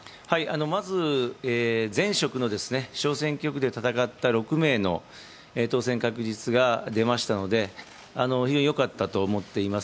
まず前職の、小選挙区で戦った６名の当選確実が出ましたので非常によかったと思っています。